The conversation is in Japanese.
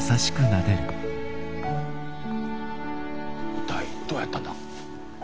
一体どうやったんだ？